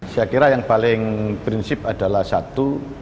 saya kira yang paling prinsip adalah satu